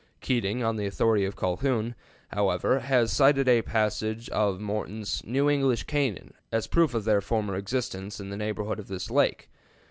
Keating, on the authority of Colhoun, however, has cited a passage from Morton's "New English Canaan" as proof of their former existence in the neighborhood of this lake.